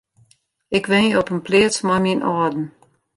Ik wenje op in pleats mei myn âlden.